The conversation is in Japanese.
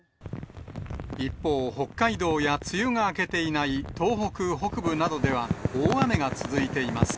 一方、北海道や梅雨が明けていない東北北部などでは大雨が続いています。